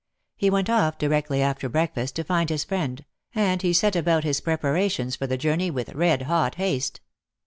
He went off directly after breakfast to find his friend, and he set about his preparations for the journey with red hot haste.